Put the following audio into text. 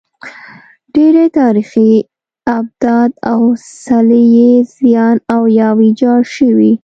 ډېری تاریخي ابدات او څلي یې زیان او یا ویجاړ شوي.